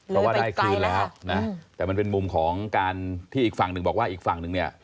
เพราะว่าได้คืนแล้วนะแต่มันเป็นมุมของการที่อีกฝั่งหนึ่งบอกว่าอีกฝั่งนึงเนี่ย